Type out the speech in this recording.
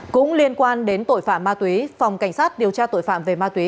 cũng liên quan đến tội phạm ma túy phòng cảnh sát điều tra tội phạm về ma túy